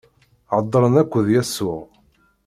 Heddṛen akked Yasuɛ.